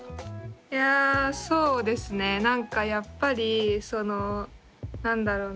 いやそうですねなんかやっぱりなんだろうな